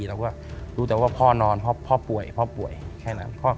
เราก็รู้แต่ว่าพ่อนอนเพราะพ่อป่วยพ่อป่วยแค่นั้น